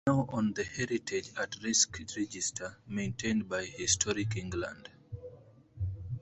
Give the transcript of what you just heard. It is now on the Heritage at Risk Register maintained by Historic England.